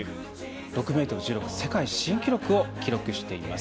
６ｍ１６と世界新記録を記録しています。